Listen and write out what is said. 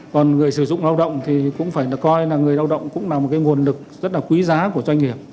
còn người sử dụng lao động thì cũng phải được coi là người lao động cũng là một cái nguồn lực rất là quý giá của doanh nghiệp